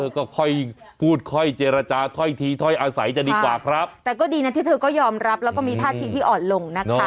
ก็ค่อยพูดค่อยเจรจาถ้อยทีถ้อยอาศัยจะดีกว่าครับแต่ก็ดีนะที่เธอก็ยอมรับแล้วก็มีท่าทีที่อ่อนลงนะคะ